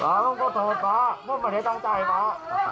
ตัวนี้นะไม่ต้องตายป้าเลยนี่เลยป้าผมขอโทษป้าผมไม่ได้ตั้งใจป้า